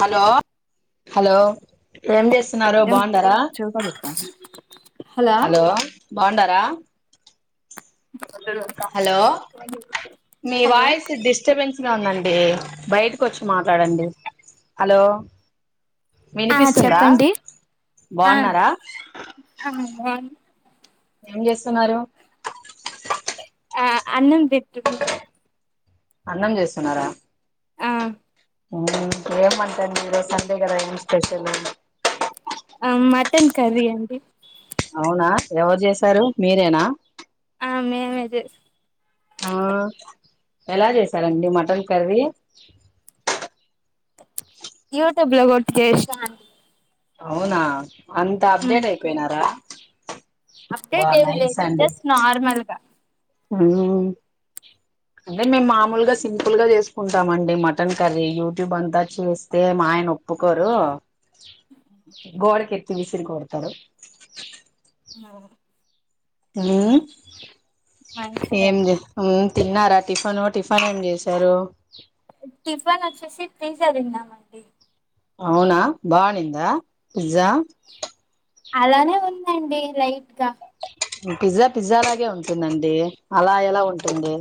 Hello hello ఏం చేస్సున్నారు. ఏం బావుండారా చెవికాడ పెట్టుకో హలో బాండ క హలో మీ హలో వాయిస్ డిస్టబెన్స్. గా ఉందండి‌. బయటకొచ్చి మాట్లాడండి, హలో ఆ వినిపిస్తుందా చెప్పండి. ఆ బాగున్నారా అ బా ఏం చేస్సున్నారు. ఆ అన్నం పెటి న అన్నం చేస్సున్నారా. ఆ ఉమ్ ఏం వంట అండి‌. ఈ రోజు సండే కదా ఏం స్పెషల్ ఆ మటన్ కర్రీ అండి‌. అవునా, ఎవరు చేసారు మీరేనా ఆ మేమే చే ఆ ఎలా చేసారండి. మటన్ కర్రీ యూట్యూబ్లో గొట్టి జేస్నా అవునా అంత అప్డేట్ అయిపోయినారా బా అప్డేట్ ఏం లేదు జస్ట్ నార్మల్ గా హమ్ అదే మేము మామూలుగా సింపుల్గా చేసుకుంటామండి మటన్ కర్రీ యూట్యూబ్ అంతా చేస్తే మా ఆయన ఒప్పుకోరు గోడకి విసిరికొడతారు మ ఏజ్ మంచిదండి ఏంది తిన్నారా టిఫన్ టిఫన్ ఏం చేశారు టిఫిన్ వచ్చేసి పిజ్జా తిన్నాం అండి అవునా బానిందా పిజ్జా అలానే ఉందండి లైట్ గా పిజ్జా పిజ్జా లాగే ఉంటుందండి అలా ఎలా ఉంటుంది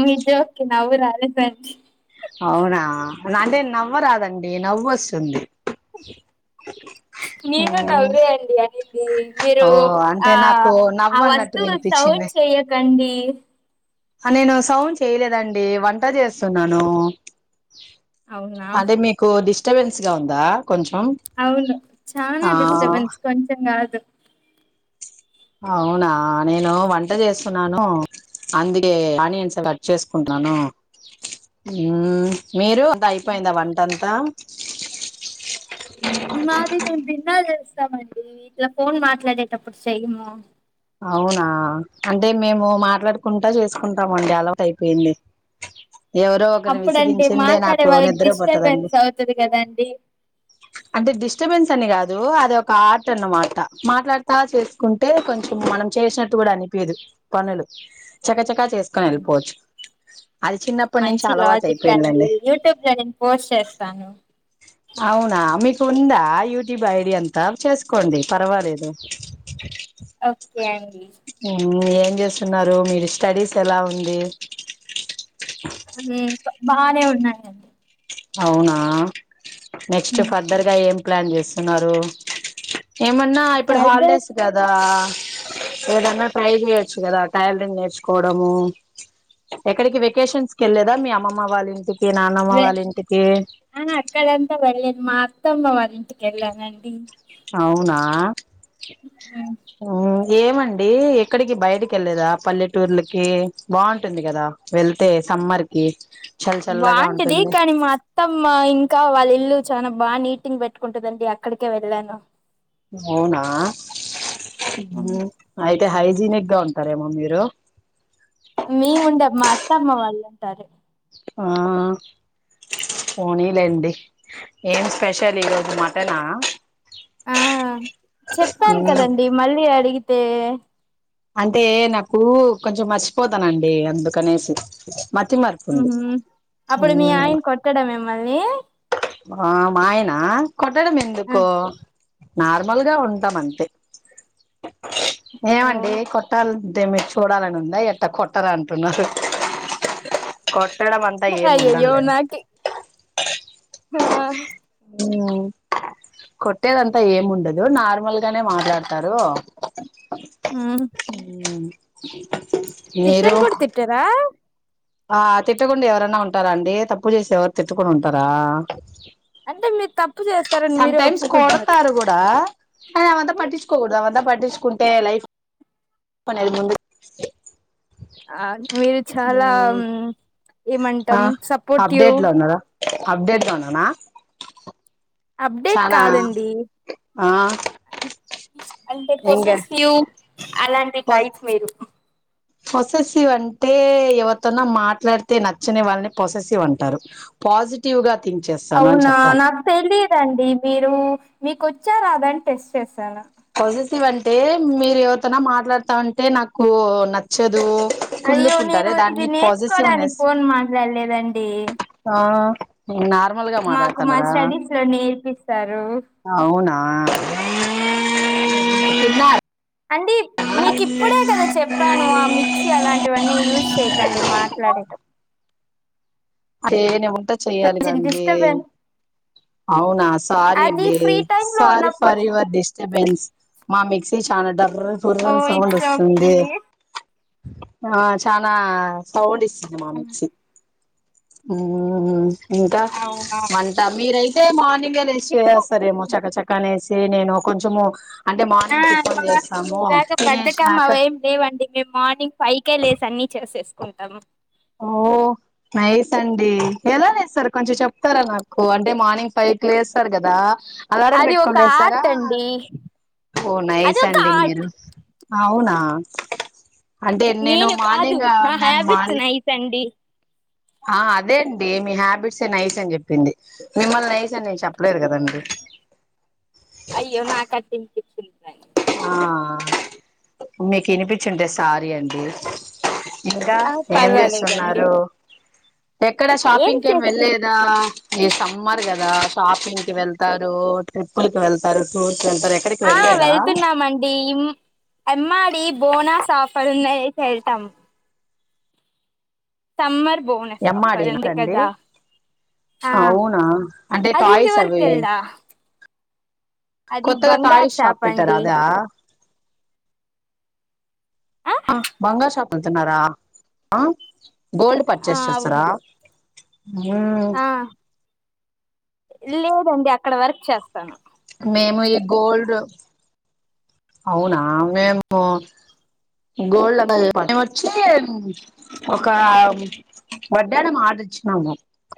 మీ జోక్ కి నవ్వు రాలేదండీ అవునా అంటే నవ్వరాదండి నవ్వు వస్తుంది నేను ఉమ్ నవ్వేఅండి అనింది మీరు ఓ అంటే ఆ నాకు ఆ నవ్వు అన్నట్టు వస్తువు సౌండ్ వినిపించింది చెయ్యకండి నేను సౌండ్ చేయలేదండి వంట చేస్తున్నాను అవునా అదే మీకు ది డిస్టర్బేన్స్ ఉందా కొంచెం అవును చానా ఆ డిస్టర్బెన్స్ కొంచెం గాదు అవునా నేను వంట చేస్తున్నాను అందుకే ఆనియన్స్ కట్ చేసుకుంటున్నాను హమ్ మీరు అయిపోయిందా వంటంతా మాది మేము భిన్న చేస్తామండి ఇట్లా ఫోన్ మాట్లాడేటప్పుడు చెయ్యము అవునా అంటే మేము మాట్లాడుకుంటా చేసుకుంటామండి అలవాటు అయిపోయింది ఎవరో ఒకరిని అప్పుడంటే విసిగించిందే మాట్లాడే నాకు వాళ్ళకి నిద్ర పట్టదండి డిస్టర్బెన్స్ అవుతది కదండి అంటే డిస్టర్బెన్స్ అని కాదు అది ఒక ఆర్ట్ అన్నమాట మాట్లాడతా చేసుకుంటే కొంచం మనం చేసినట్టు కూడా అనిపీదు పనులు చక చక చిన్నప్పటి నుంచి మంచి అలవాటు లాజిక్ అండి అయిపోయిందండి యూట్యూబ్ లో నేను పోస్ట్ చేస్తాను అవునా మీకు ఉందా యూట్యూబ్ ఐడి అంతా చేసుకోండి పర్వాలేదు ఓకే అండి ఏం చేస్తున్నారు మీరు స్టడీస్ ఎలా ఉంది హమ్ బా బానే ఉన్నాయ్ అండి అవునా నెక్స్ట్ హ్మ్. ఫర్దర్ గా ఏం ప్లాన్ చేస్తున్నారు ఏమన్నా ఇప్పుడు ఫర్దర్ హాలిడేస్ కదా ఏదన్నా ట్రై చేయొచ్చు కదా టైలరింగ్ నేర్చుకోవడము ఎక్కడికి వెకేషన్స్ కి వెళ్లేదా మీ అమ్మమ్మ వాళ్ళ ఇంటి మీ నాన్నమ్మ వాళ్ళ ఇంటి అయినా అక్కడ అంతా నేను మా అత్తమ్మ వారి ఇంటికి వెళ్ళానండి అవునా హ్మ్మ్ ఏమండి ఎక్కడికి బయటకి వెళ్ళదా పల్లెటూర్లకి బాగుంటుంది కదా వెళ్తే సమ్మర్ కి చల్ చల్లగా బాంటిది ఉంటుంది కానీ మా అత్తమ్మ ఇంకా వాళ్ళ ఇల్లు చాల బా నీటింగ పెట్టుకుంటుందండి అక్కడికే వెళ్ళాను అవునా అయితే హయి హాయ్జినిగ్గా ఉంటారేమో మీరు మేముండే మా అత్తమ్మ వాళ్ళుంటారు ఆ పోనీలేండి ఏం స్పెషల్ ఈరోజు మటనా ఆ చెప్పాను కదండి మళ్ళీ అడిగి తే అంటే నాకు కొంచెం మర్చిపోతానండి అందుకనేసి మతిమర్పు ఉంది ఉహు అప్పుడు మీ ఆయన కొట్టడా మిమ్మల్ని మా మాయన కొట్టడం ఆ ఎందుకో నార్మల్ గా ఉంటాం అంతే ఓ ఏమండి కొట్టాల ఎమ్ మీకు చూడాలని ఉందా ఎట్ట కొట్టరా అంటున్నారు కొ కొట్టడం అంతా ఏము అయ్యయ్యో ఉందలే నాకే ఆ కొట్టేదంతా ఏం ఉండదు నార్మల్ గానే మాట్లాడతారు ఉమ్ తిట్టన్ కూడా తిట్టార ఆ తిట్టకుండా ఎవరన్న ఉంటారా అండి తప్పు చేసి ఎవరు తిట్టుకుండా ఉంటారా అంటే మీరు తప్పు చేస్తారని మీరే ఒప్పుకుంటున్నారు హే అవంత పట్టించుకోకూడదా అవంత పట్టి పట్టించుకుంటే లైఫ్ అనేది ఉండదు ఆ మీరు చాలా తాము ఆ ఏమంటాం సపోర్ట్యు అప్డేట్ లో ఉన్నారా అప్డేట్ లోనేనా అప్డేట్ కాదండి ఆ అంటే ఇంగే కోసెస్ ఫ్యూ లాంటి టైప్ మీరు ప్రొసెసివ్ అంటే ఎవరితోనా మాట్లాడితే నచ్చని వాళ్ళని ప్రొసెసివ్ అంటారు పాజిటివ్ గా థింక్ చేస్తాను అని అవునా చెప్పాలి నాకు తెలియదండి మీరు మీకొ చ్చా రాదని టెస్ట్ చేశారా పొసెస్సివ్ అంటే మీరు ఎవరితోన మాట్లాడుతాంటే నాకు నచ్చదు అయ్యో కుళ్ళుకుంటారే నేను దాన్ని ఇది నేర్చుకోవడానికి పాజిటివ్నెస్ ఫోన్ మాట్లాడలేదండి వున్నా మాకు మా స్టడీస్ లో నేర్పిస్తారు ఆ మ్మ్ అండి మీకు ఇప్పుడే కదా చెప్పాను ఆ మిక్సీ అలాంటివన్నీ యూజ్ చేయకండి మాట్లాడేటప్పుడు అదే [unintelligible] ఎట్ట చెయ్యాలి కొంచెం దాన్ని డిస్టర్బెన్స్ అవునా సారీ అది అండి ఫ్రీ టైమ్ లో సారీ ఉన్నప్పుడు సారీ యువర్ డిస్టర్బెన్స్ మా మిక్సి చాలా డబ్ ఓ [inaudible] సౌండ్ ఇట్స్ ఓకే వస్తుంది ఆ చానా సౌండ్ ఇస్ మా మిక్సి మ్మ్ దాన్ని ఇంకా అవునా వంట మీరై [unintelligible] మాని ఎలా ఇప్పుడు వస్తారేమో చకా చకా లేసి ఏ నేను కొంచము ఆ మాకు మీలాగా బద్దకం తినేసినాక అవేమీ లేవండి. మేము మార్నింగ్ ఫైవ్ కే లేసి అన్ని చేసేస్ కుంటాము ఓ నైస్ అండి ఎలా లేస్తారు కొంచెం చెప్తారా నాకు అంటే మార్నింగ్ ఫైవ్ కి లేస్తారు కదా అలారం అది ఒక పెట్టుకోలేస్తారా ఆర్ట్ అండి ఓ నాస్ అదొక అండి ఆర్ట్ మీరు అవునా. ఆ నేను కాదు నా హ్యాబిట్స్ మార్ని నై తండి ఆ అదే అండి మీ హ్యాబిట్సే నైస్ అని చెప్పింది మిమ్మల్ని నైస్ అని నేను చెప్పలేరు కదండి. అయ్యో నాకటి ఆ మీకు వినిపించింటే సారీ అండి ఇంకా ఆ ఏం పర్వాలేదండి చేస్తున్నారు ఎక్కడ షాపింగ్ ఏం వెళ్లేదా ఈ సమ్మర్ కదా షాపింగ్ కి వెళ్తారు ట్రిప్పుి వెళ్తారు టూర్ ంటరు ఎక్కడికి వెలేదా డీ ఈమె ఆమ్మాడి బోనాస్ ఆఫర్ ఉన్నయి అయితే వెళ్తాం. సమ్మర్ బోనస్ ఎమ్మాడ ఆఫర్ నా ఉంది అండి కదా ఆ అవునా అంటే అది టాయ్స్ ఇంతవరకు అవి తెల్దా అది కొత్తగా బంగారు టాయ్స్ షాప్ పెట్టార అండి అదా ఆ బంగారు షాప్ పోతున్నారా ఆ గోల్డ్ ఆ పర్చేస్ చేస్తారా అవును ఆ లీవ్ పంపి అక్కడ వర్క్ చేస్తాను ఏమో ఈ గోల్డ్ అవునా మేము గోల్డ్ వచ్చి ఒక వడ్డడం ఆర్డర్ ఇచ్చినాము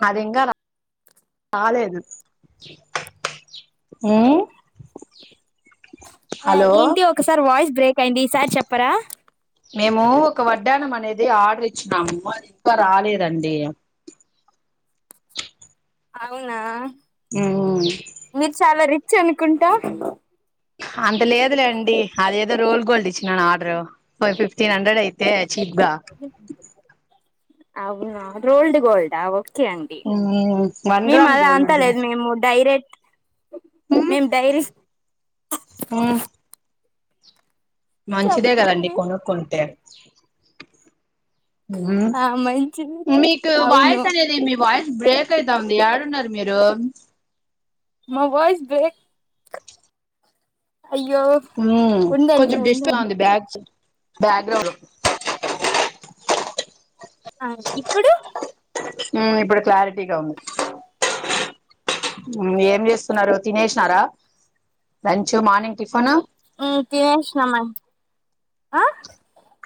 అది ఇంకా రా రాలేదు ఉ ఆ ఏంటి ఒకసారి వాయిస్ బ్రేక్ అయింది ఈ సార్ చెప్పరా మేము ఒక వడ్డానం అనేది ఆర్డర్ ఇచ్చినాము అది ఇంకా రాలేదండి. అవునా మీర్ చాలరి చనుకుంటా అంత లేదులేండి అద ఏదో రోల్ గోల్డ్ ఇచ్చినాను ఆర్డర్ ఫ ఫిఫ్టీన్ హండ్రెడ్ అయితే. గా అవునా రోల్డ్ గోల్డ్ ఆ ఓ కే అండి వన్ మేము గ్రామ్ అలా గోల్డ్ ఉంటుంది అంతలేదు మేము డైరెక్ట్ మేమ్ డైరీ ఆ మంచిదే కదండి చెప్పండి కొనుక్కుంటే ఆ మంచిది మ్మ్ మీకు అవును వాయిస్ అనేది మీ వాయిస్ బ్రేక్ అయితా ఉంది యాడున్నారు మీరు మా వాయిస్ బ్రేక్ అయ్యో మ్మ్ ఉండండి కొంచం డిష్ట ఉండండి అంది బ్యాగ్స్ బ్యాగ్రౌండ్ అ ఇప్పుడు మ్మ్ ఇప్పుడు క్లారిటీగా ఉంది ఏం చేస్తున్నారు తినేసినారా లంచ్ మార్నింగ్ టిఫిన్ ఉ తినేస్నం మం ఆ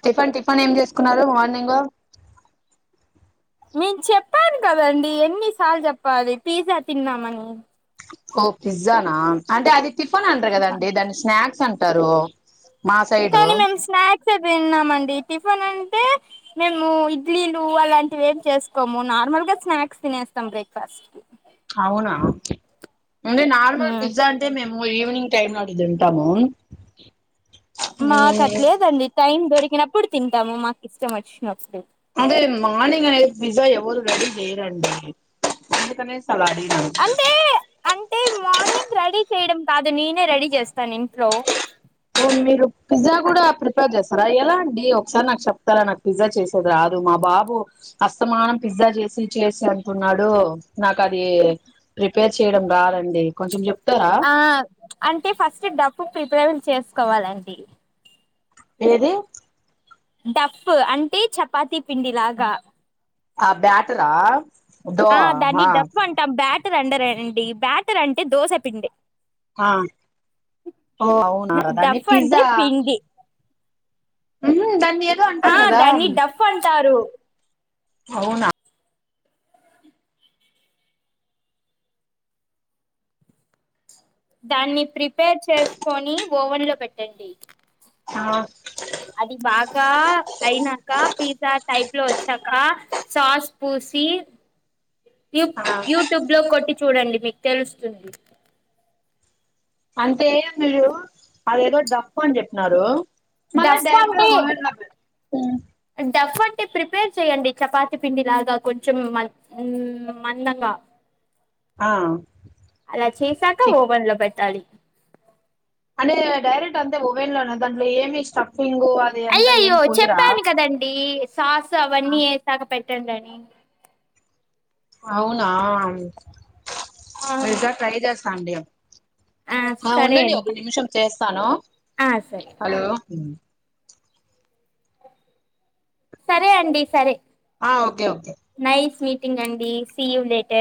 టిఫిన్ టిఫిన్ ఏం చేసుకున్నారు మార్నింగ్ మీకు చెప్పాను కదండి ఎన్నిసార్లు చెప్పాలి పీజ తిన్నామని ఓ పిజ్జానా అంటే అది టిఫన్ ఆండ్ర ఆ కదండి దాని స్నాక్స్ అంట తారు కానీ మేము స్నాక్స్ ఏ తిన్నామండి టిఫిన్ అంటే మేము ఇడ్లీలు అలాంటివి ఏమి చేసుకోము నార్మల్గా స్నాక్స్ తినేస్తాం బ్రేక్ఫాస్ట్ అవునా ఓన్లీ నార్మల్ పిజ్జా అంటే మేము ఓ ఈవినింగ్ టైమ్ లో ఆది తింటాము మా మ్ కట్లేదండీ టైమ్ దొరి కొనప్పుడు తింటాము మాకు ఇష్టం వచ్చినప్పుడు అదే మార్నింగ్ అనేది పిజా ఎవరు రెడీ చేయడండి అందుకనే అలా లేదు అంటే అంటే మార్నింగ్ రెడీ చేయడం కాదు నేనే రెడీ చేస్తాను ఇంట్లో ద ఎలా అండి ఒకసారి నాకు చెప్తారా నాకు పిజ్జా చేసేది రాదు మా బాబు అస్తమానం పిజ్జా చేసి చేసి అంటన్నాడు నాకు అది ప్రిపేర్ చేయడం రాదండి కొంచెం చె ఆ అంటే ఫస్ట్ డబ్బు ప్రిపేర్ చేసుకోవాలండి ఎనిది డఫ్ అంటే చపాతీ పిండిలాగా ఆ బ్యాటరా దో ఆ దాన్ని డఫ్ అంటాం బ్యాట్ త్ రండర అండి బ్యాటర్ అంటే దోశ పిండి ఆ ఓ అవునా దాని డఫ్ అంటే పిజ్జా పిండి అనుమ్ దన్ ఆ దాన్ని డఫ్ అంటారు అవునా దాన్ని ప్రిపేర్ చేసుకొని ఓవెన్ లో పెట్టండి ఆ అది బాగా అయినాక పిజ్జా టైప్ లో వచ్చాకా సాస్ పూసి యూ- ఆ యూట్యూబ్ లో కొట్టి చూడండి మీకు తెలుస్తుంది అంటే మీరు అది ఏదో డఫ్ అని చెప్పిన్నారు మల్ల డఫ్ డైరెక్ట్ గా అంటే ఓవెన్ లో పెట్టు మ్ డఫ్ అంటే ప్రిపేర్ చేయండి చపాతి పిండి లాగా కొంచెం మ మందంగా ఆ అలా చేసాక ఓవెన్ లో పెట్టాలి అంటే డైరెక్ట్ అంతే ఓవెన్ లోనే దాంట్లో ఏమి స్ట అయ్యయ్యో చెప్పాను కదండీ సాస్ అవన్నీ ఎసాక పె ట్టండని అవునా ఆ ఈసారి ట్రై చే స్తాండి ఆ సరే ఉండండి ఒక అండి నిమిషం చేస్తాను ఆ సరే హలో సరే అండి సరే ఆ ఓకే ఓకే టింగ్ అండి సీయు లేటర్